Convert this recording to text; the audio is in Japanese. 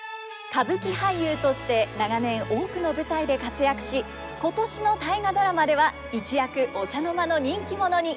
歌舞伎俳優として長年多くの舞台で活躍し今年の「大河ドラマ」では一躍お茶の間の人気者に。